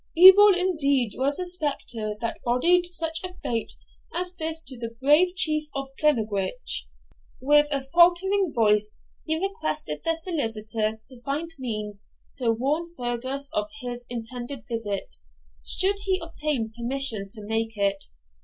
Evil indeed was the spectre that boded such a fate as this to the brave Chief of Glennaquoich!' With a faltering voice he requested the solicitor to find means to warn Fergus of his intended visit, should he obtain permission to make it.